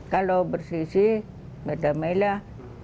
kalau bersisi berdamai lah